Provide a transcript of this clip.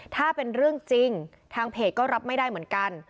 ถ้าเป็นเรื่องจริงทางเพจก็รับไม่ได้เหมือนกัน